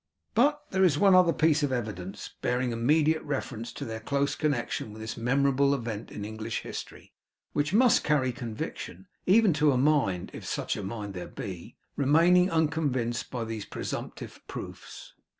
But there is one other piece of evidence, bearing immediate reference to their close connection with this memorable event in English History, which must carry conviction, even to a mind (if such a mind there be) remaining unconvinced by these presumptive proofs.